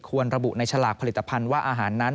ระบุในฉลากผลิตภัณฑ์ว่าอาหารนั้น